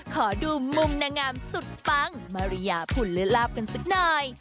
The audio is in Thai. ขอดูมุมนางงามสุดปังมาริยาพุนเลือดลาบกันสักหน่อย